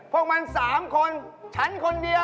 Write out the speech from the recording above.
พวกมัน๓คนฉันคนเดียว